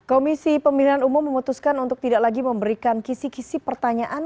komisi pemilihan umum memutuskan untuk tidak lagi memberikan kisi kisi pertanyaan